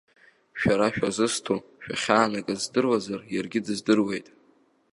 Шәара шәызусҭоу, шәахьаанагаз здыруазар иаргьы дыздыруеит.